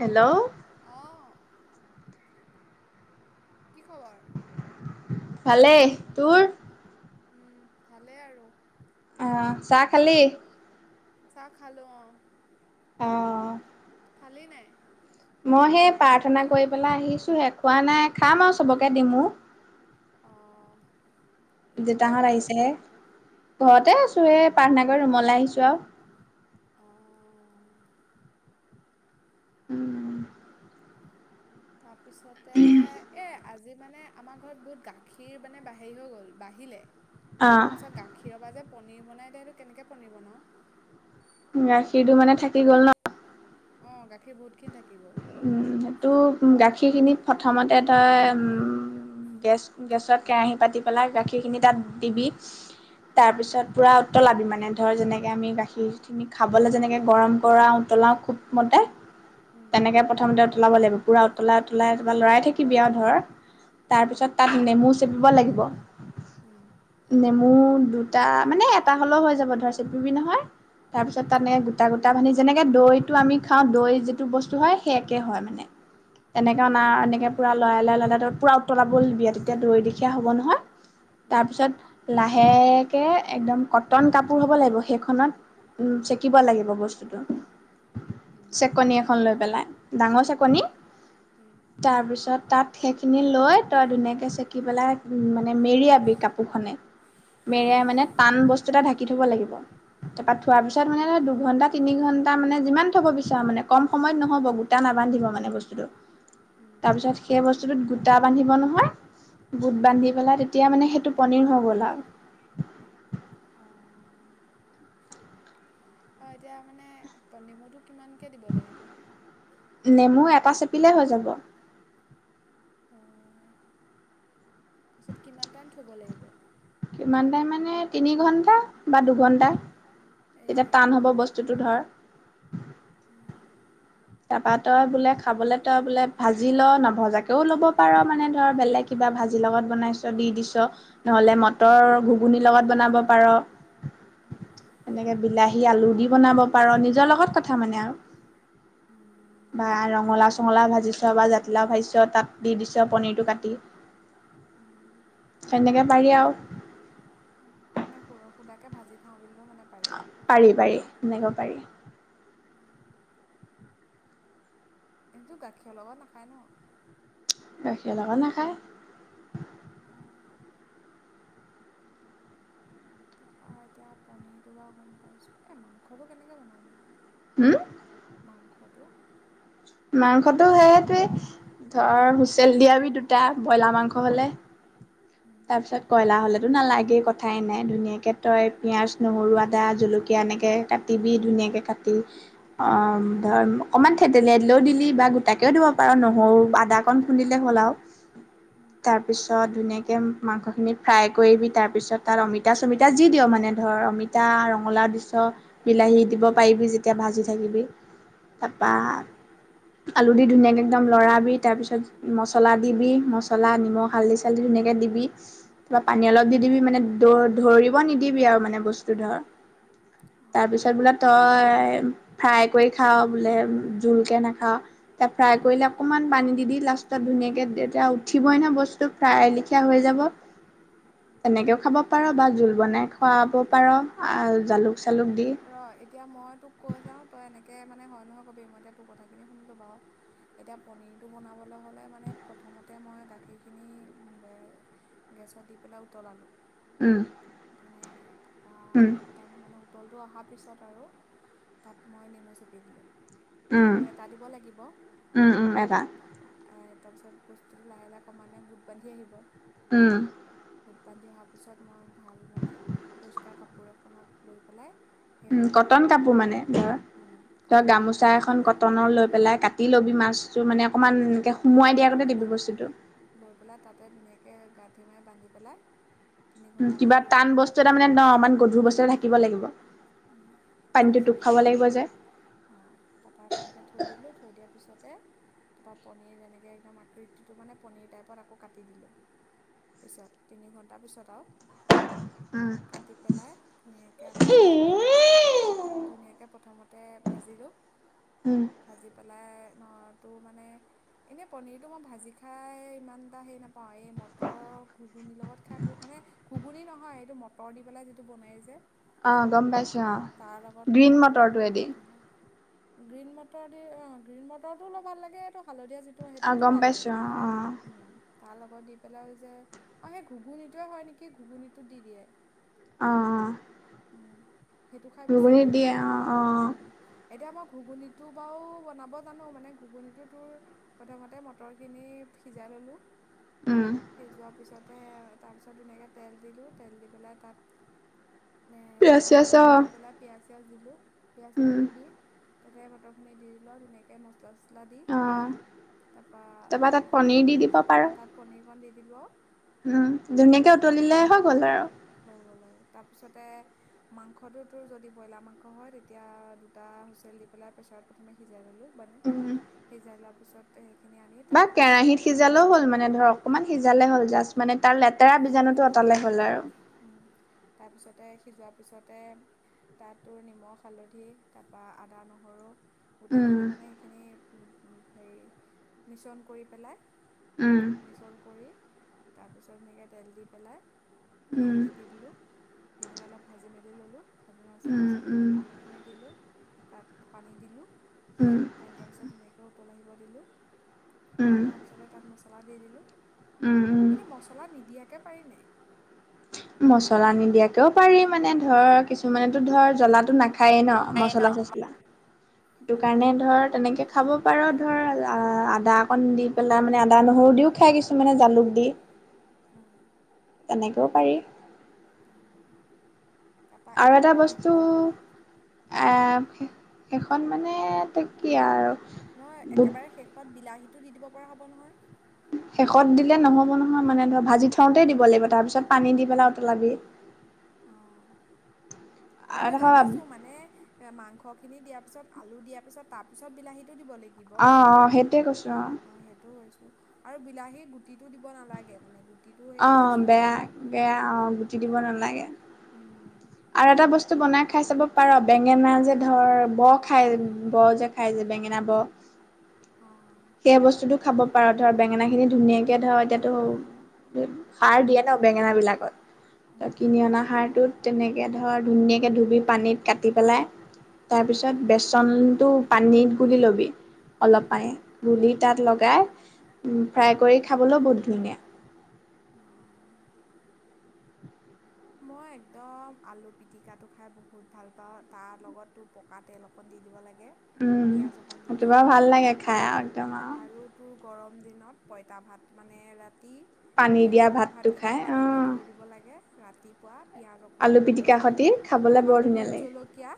Hello কি খবৰ? ভালে। তোৰ? উম ভালে আৰু। অহ চাহ খালি? চাহ খালো অ। খালী নাই? মই সেই প্ৰাৰ্থনা কৰি পেলাই আহিছো শে খোৱা নাই খাম আৰু চবকে দি মোৰ আহঁ দেতাহত আহিছে ঘৰতে আছোহে প্ৰাৰ্থনা কৰি ৰুমলৈ আহিছো আৰু উম [unintelligible] তাৰপিছতে এ আজি মানে আমাৰ ঘৰত বহুত গাখীৰ মানে বাহি হৈ গ'ল বাঢ়িলে তাৰপিছত গাখীৰৰ পৰা যে পনিৰ বনাই [unintelligible] কেনেকে পনীৰ বনাও গাখীৰটো মানে থাকি গ'ল ন অ গাখীৰ বহুতখিনি থাকি গ'ল সেইটো গাখীৰখিনিত প্ৰথমতে তই গেছ গেছত কেৰাহী পাতি পেলাই গাখীৰখিনি তাত দিবি তাৰ পিছত পুৰা উতলাবি মানে ধৰ যেনেকে আমি গাখীৰ চিনিকা খাবলৈ যেনেকৈ গৰম কৰাও, উতলাওঁ খুব মতে তেনেকে প্ৰথমতে উতলাব লাগিব, পুৰা উতলাই উতলাই লৰাই থাকিবি আৰু ধৰ, তাৰপিছত তাত নেমু চেপিব লাগিব, নেমু দুটা মানে এটা হ'লেও হৈ যাব ধৰ চেপিবি নহয়, তাৰপিছত তাত এনেক গোটা গো টা মানে যেনেকে দৈটো আমি খাওঁ দৈ যিটো বস্তু হয় সেই একে হৈ মানে, তেনকে মা এনেকে পুৰা লৰাই লৰাই ললে টোৰ পুৰা উতলাব দিয়া তেতিয়া দৈ দেখীয়া হ'ব, তাৰপিছত লাহেকে একদম কটন কাপোৰ হ'ব লাগিব সেইখনত চেকিব লাগিব বস্তুটো, চেকনী এখন লৈ পেলাই ডাঙৰ চেকনী, তাৰপিছত তাত সেইখিনি লৈ তই ধুনীয়াকে চেকি পেলাই মানে মেৰিয়াবি কাপোৰ খনে মেৰিই মানে টান বস্তু এটা ঢাকি থ'ব লাগিব, এবাৰ থোৱাৰ পিছত মানে দুঘণ্টা ঘণ্টা তিনি ঘণ্টা মানে যিমান থ'ব বিচাৰ। কম সময়ত নহ'ব গোটা নাবান্ধিব মানে বস্তুটো, তাৰপিছত সেই বস্তুটোত গোটা বান্ধিব নহয় গোট বান্ধি পেলাই তেতিয়া মানে সেইটো পনীৰ হৈ গ'ল আৰু। অ এতিয়া মানে পনীৰ নেমুটো কিমানকে দিব লাগিব? এটা চেপিলে হৈ যাব। তাৰপিছত কিমান টাইম থব লাগিব? কিমান টাইম মানে তিনি ঘণ্টা বা দুঘণ্টা তেতিয়া টান হ'ব বস্তুটো ধৰ। তাৰপা তই বোলে খাবলৈ তই বোলে ভাজি ল নভজাকেও ল'ব পাৰ, মানে ধৰ বেলেগ কিবা ভাজিৰ লগত বনাইছ দি দিছ নহ'লে মটৰৰ ঘুগুনি লগত বনাব পাৰ, এনেকে বিলাহী আলু দি বনাব পাৰ নিজৰ লগত কথা মানে আৰু। বা ৰঙালাও চঙালাও ভাজিছ বা জাতিলাও ভাজিছ তাত দি দিছ পনিৰটো কাটি, সেনেকে পাৰি আৰু। কে ভাজি খাওঁ বুলি পাৰি পাৰি এনেকুৱা পাৰি। এইটো গাখীৰৰ লগত নাখায় ন। গাখীৰ লগত নাখায়। তাৰপা এতিয়া পনিৰতটো বাৰ গম পাইছো, এ মাংসটো কেনেকে বনাম? হম? মাংসটো। মাংসটো সেইটোৱেই ধৰ হুইচেল দিয়াবি দুটা ব্ৰইলাৰ মাংস হ'লে। তাৰ পিছত কইলাৰ হ'লেতো নালাগেই কথাই নাই ধুনীয়াকে তই পিয়াজ, নহৰু, আদা, জলকীয়া এনেকে কাটিবি ধুনীয়াকে কাটি আহ ধৰ অকমান থেতেলেই দিলও দিলি বা গোটাকেও দিব পাৰ নহৰু আদা অ কন খুন্দিলে হল আও। তাৰ পিছত ধুনীয়াক মাংসখিনি ফ্ৰাই কৰিবি তাৰপিছত তাত অমিতা চমিতা যি দিওঁ মানে ধৰ অমিতা, ৰঙালাও দিছ বিলাহী দিব পাৰিবি যেতিয়া ভাজি থাকিবি। তাৰপা আলু দি ধুনীয়াকৈ একদম লৰাবি তাৰপিছত মছলা দিবি মছলা, নিমখ হালধি চালধি ধুনীয়াকে দিবি তাপা পানী অলপ দি দিবি মানে দ- ধৰিব নিদিবি আৰু মানে বস্তু ধৰ। তাৰপাছত বোলে তই ফ্ৰাই কৰি খাৱ বোলে জোলকে নাখাওঁ, ফ্ৰাই কৰিলে অকণমান পানী দিবি লাষ্টত ধুনিয়াকে তেতিয়া উঠিবই নহয় বস্তুতো ফ্ৰাই ন তীয়া হৈ যাব, তেনেকৈও খাব পাৰ বা জোল বনাই খুৱাব পাৰ আ জালুক চালুক দি। এতিয়া মই তোক কৈ যাওঁ তই এনেকে মানে হয় নহয় কবি। মই এতিয়া তোৰ কথাখিনি শুনিলোঁ বাৰু, এতিয়া পনীৰটো বনাবলৈ হ'লে মানে প্ৰথমতে মই গাখীৰখিনি উম গেছত দি পেলাই উতলালোঁ ধুনীয়াকে। [unintelligible] প তলটো অহাৰ পিছত আৰু তাত মই নেমু চেপি দিলোঁ। নেমু এটা দিব লাগিব, তাপা। এ ত পিছত বস্তুত লাহ লাহে কমানে গুট বান আহিব। উম। গোট বান্ধি আহাৰ পিছত মই ভাল মানে পৰিষ্কাৰ কাপোৰ এখনত লৈ পেলাই। উ কটন কাপোৰ মানে। ধৰা ধৰ গামোচা এখন কটনৰ লৈ পেলাই কাটি লবি মাছ তটো মানে। অ', লৈ পেলাই লৈ পেলাই তাতে ধুনীয়াকে গাত। মঠিমাৰ বান্ধি পেলাই। কিবা টান বস্তু এ তটা মানে ন অমান গধুৰ বস্তু এটা থাকিব লাগিব। উ তাৰপিছতে অ', তাৰপা এনেকে থৈ দিলো থৈ দিয়া পি‌ তেনেকে, তাৰপৰা, পনীৰ, যেনেকৈ, একদম আকৃতিটো, মানে, পনীৰ টাইপত, আকৌ কাটি দিলোঁ। পিছত, তিনি ঘণ্টাৰ পিছত আৰু কাটি পেলাই, ধুনীয়াকে আকৌ পেলাই, ধুনীয়াকে প্ৰথমতে ভাজিলোঁ ভাজি পেলাই অ', তোৰ, মানে, এনে পনীৰটো মই ভাজি খাই, ইমান এটা হেৰি নাপাওঁ পাওঁ। এই মটৰ ঘূগুনীৰ লগত খাই, বহুত, মানে, ঘূগুনী নহয়। এইটো মটৰ দি পেলাই, যিটো বনায় যে অ', গম পাইছোঁ। অ', গ্ৰীণ মটৰটোৱেই দি গ্ৰীণ মটৰ দি। অ', গ্ৰীণ মটৰটো অলপ ভাল লাগে। এইটো, হালধ ধিয়া যিটো, সেইটোতো ভাল লাগে। উম। তাৰ লগত দি পেলাই যে, আৰু, সেই ঘূগুনিটোৱেই হয় নেকি? ঘূগুনীটোত দি দিয়ে অ', অ'। ঘূগুনিত দিয়ে। অ', অ'। এতিয়া, মই ঘূগুনিটো বাৰু বনাব জানোঁ। মানে, ঘূগুনিটো তোৰ, প্ৰথমতে, মটৰখিনি সিজাই ল'লোঁ সিজোৱাৰ পিছত এ, আৰু, তাৰপিছত, ধুনীয়াকে তেল দিলোঁ। তেল দি পেলাই, তাত এ, নিমখ, হালধি দি পেলাই, পিয়াঁজ পিয়াঁজ দিলোঁ পিয়াঁজ, নহৰু দি তাতে, মটৰখিনি দি লৈ, ধুনীয়াকে মচল মচলা দি, তাপা ধুনীয়াকে হোৱা পিছত, তাত পনীৰ কণ দি দিব উম, ধুনীয়াকে উতলিলে, হৈ গ'ল, আৰু তাৰ পিছত তে, মাংসটো তোৰ, যদি ব্ৰইলাৰ মাংস হয়, তেতিয়া দুটা হুইচেল দি পেলাই, প্ৰেছাৰত প্ৰথমে সিজাই ল'লোঁ মানে, সিজাই লোৱা পিছতেই বা, কেৰাহীত সিজালেও হ'ল। মানে, ধৰ, অকণমান সিজালে হ'ল। জাষ্ট, মানে, তাৰ লেতেৰা বীজাণুটো আঁতৰালে হ'ল, আৰু তাৰপিছতে, সিজোৱাৰ পিছতে, তাত তোৰ নিমখ, হালধি, তাৰপৰা আদা-নহৰু গোটেইখিনি, মানে, সেইখিনি হেৰি, মিশ্ৰণ কৰি পেলাই মিছল কৰি এতিয়া গ'ল। তাতে আছে তাত সেইখিনি দি দিলোঁ দি মেলি অলপ ভাজি মেলি ল'লোঁ ভাজি লোৱাৰ পিছত তাৰপিছত আলুখিনি দিলোঁ তাত পানী দিলোঁ পানী দিয়া পিছত ধুনীয়াকৈ উতল আহিব দিলোঁ উতল অহাৰ পিছতে তাত মছলা দি দিলোঁ এনেই মছলা নিদিয়াকৈ পাৰিনে মছলা নিদিয়াকেও পাৰি মানে ধৰ কিছুমানেতো ধৰ জ্বলাাতটো না [unintelligible] খায়েই ন মচলা চচলা সেইটো কাৰণে ধৰ তেনেকে খাব [unintelligible] পাৰে ধৰা আদা অকণ দি পেলাই মানে আদা নহৰু দিও খাই কিছুমানে জালুক দি তেনেকে দিব পাৰি আৰু এটা বস্তু এ- সেইখন মানে ত কি আৰু নহ একেবাৰে শেষত বিলাহী টো দি দিব পৰা হ'ব নহয় [inaudible] শেষত দিলে নহ'ব নহয় মানে ধৰ ভাজি থওঁ [unintelligible] দিব লাগিব তাৰ পিছত পানী দি পেলাই উতলাবি নহয় জানিছো মানে মাংস [unintelligible] [unintelligible] খিনি দিয়াৰ পিছত আলু দিয়াৰ পিছত তাৰ পিছত বিলাহী [unintelligible] দিব লাগিব অ সেইটো [unintelligible] আৰু বিলাহীৰ গুটিটো দিব নালাগে মানে গু [unintelligible] অ বেয়া বেয়া অ গুটি দিব নালাগে [unintelligible] আৰু এটা বস্তু বনাই খাই চাব পাৰ বেং বেঙেনা যে ধৰ ব খায় ব যে খায় যে বেঙেনা ব সেই বস্তুটো খাব পাৰো ধৰ বেঙেনা খিনি ধুনীয়াকে ধৰ এতিয়া ত [unintelligible] সাৰ দিয়া [unintelligible] বেঙেনা বিলাকত ত কিনি অনা সাৰটোত তেনেকে ধৰ ধুনীয়াকে ধুবি পানীত কাটি পেলাই তাৰপিছত বেচনটো পানীত গুলি ল'বি অলপ পানীত গুলি তাত লগাই ফ্ৰাই কৰি খাবলৈ বহুত ধুনীয়া অঁ মই একদম আলু পিতিকাটো খাই বহুত ভাল পাও তাৰ লগতো পকা তেল অকন দি দিব লাগে উম সেইটো বাৰু ভাল লাগে খাই আৰু একদম আৰু গৰম দিনত পঁইতা ভাত মানে [unintelligible] [unintelligible] সেই বহা ভাতকেইটা পানী দি থৈ দিব লাগে ৰাতিপুৱা পিয়াঁজ অকণ লৈ তাপা ভূত জলকীয়া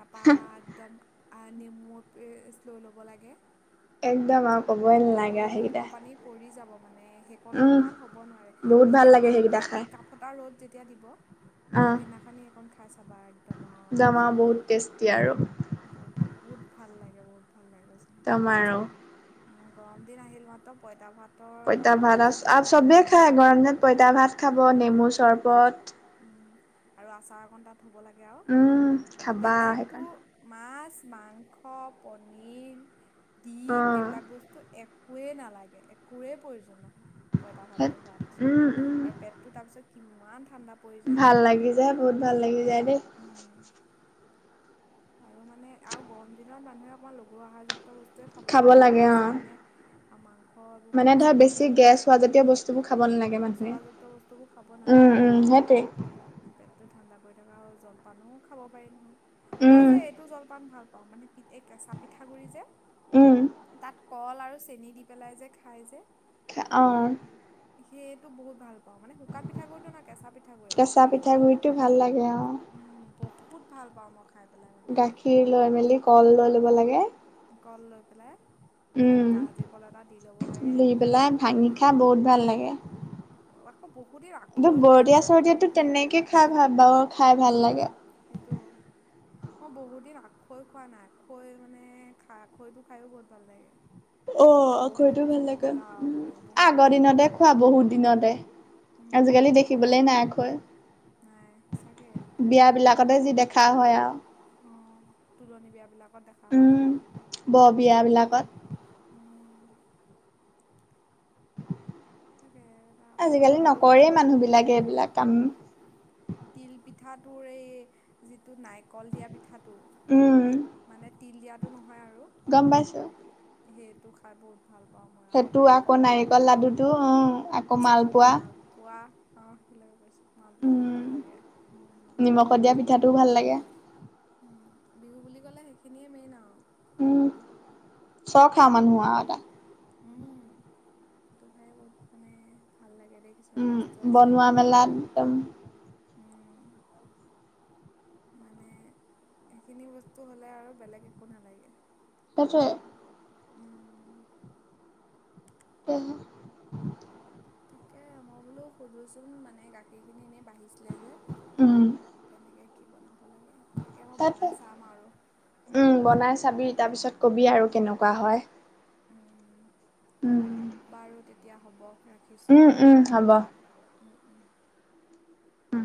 তাপা একদম [unintelligible] নেমু শ্ল' ল'ব লাগে এদ ম আৰু লোভ পানী পৰি যাব মানে সেইকণো সমান হ'ব নোৱাৰে যেতিয়া মানে একদম পুৰা টিকা ফটা ৰ'দ যেতিয়া দিব সেইদিখনি সকনি খাই চাবা একদম আৰু কৈছো নহয় বহুত ভাল লাগে বহুত তমাৰো উ গৰম দিন আহিল মহঁ তো পইতা ভাত পঁইতা ভাত আ চবেই খায় গৰম দিনত পইতা ভাত খাব নেমু চৰবত আৰু আচাৰ ঘণ্ তাত থ'ব লাগে আৰু আৰু বেলেগতটো মাছ মাংস পনীৰ দিম এইবিলাক টো একোৱেই নালাগে একোৰে প্ৰয়োজন নহয় পইতা ভাতটো হোৱাৰ পিছত আৰু পেটটো তাৰ পিছত কিমান ভাল লাগি যায় বহুত ভাল লাগি যায় দেই আৰু মানে আৰু গৰম দিনত মানুহে অকমান লগু অহা যু বস্তুৱে খাব লাগে ইমান বেছি মানে আমং মানে ধৰ বেছি গেছ হোৱ জাতীয় বস্তুবোৰ খাব নালাগে মানুহে উম উম সেইটোৱেই তেনেকুৱা জলপানোও খাব পাৰি ম মই যে এইটো জলপান ভাল অঁ মানে পি এই কেঁচা পিঠাগুড়ি যে উম কল আৰু চেনি দি পেলাই যে খাই যে খা--অঁ সেইয়টো বহুত ভাল মানে শুকান পিঠা গুৰিটো নহয় কেঁচা পিঠাগুৰি উম বহুত বহুত ভাল পাওঁ মই খাই গাখীৰ লৈ মেলি কল লৈ লব লাগে লৈ পেলাই একদম জাহাজী কল এটা দি ল'ব লাগে সেইটো খাই বহুত ভাল লাগে এইবো বৰতিয়া চৰতিয়াতটো তেনেকে খাই ভা বাৰু খাই ভাল লাগে ম বহুত দিন আখৈ খোৱা নাই আখৈ মানে খা--আখৈটো খাইয়ো বহুত ভাল লাগে অ আখৈটো ভাল লাগে উ আগৰ দিনতে খোৱা বহুত দিনতে আজিকালি দেখিবলে নাই আখৈ বিয়া বিলাকতে যি দেখা হয় আৰু অ তুলনি বিয়া বিলাকত উম বৰ বিয়া বিলাকত। আজিকালি নকৰেই মানুহ বিলাকে এইবিলাক কাম তোৰ এই যিটো নাৰিকল দিয়া পিঠাত। তো মানে। তিল দিয়াটো ন। গম পাইছোঁ। সেইটো খাই বহুত। ভাল পাওঁ মই আকৌ নাৰিকলৰ লাড়ু। অ আকৌ মালপোৱা অ অ সেইেলে কৈছো মাল পোৱাটো ভাল লাগে উম উম বিহু বুলি কলে সে। এনেিয় মেই নাওঁ [unintelligible] উম। ক খাওঁ মানুহ আও এতিয়া। তো খাই বহুত মানে ভাল লাগে। উম বনোৱা মেলাত একদম। উম। মানে সেইখিনি বস্তু হ'লে আৰু বেলেগ একো নালাগে তাকে উম। আহ তাকে মই বোলো সুধোচোন মানে গাখীৰ খিনি এনে। বাঢ়িছিলে যে তেনেকে কি বনাম? তাত, উম বনাই চাবি তাৰপিছত কবি আৰু। কেনেকুৱা হয় তেতিয়া হ'ব উম উম হব। উম।